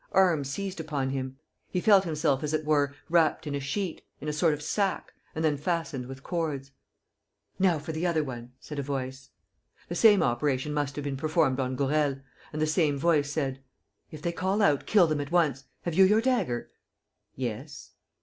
Arms seized upon him. He felt himself as it were wrapped in a sheet, in a sort of sack, and then fastened with cords. "Now for the other one!" said a voice. The same operation must have been performed on Gourel; and the same voice said: "If they call out, kill them at once. Have you your dagger?" "Yes."